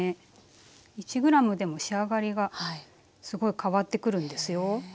１ｇでも仕上がりがすごい変わってくるんですよ。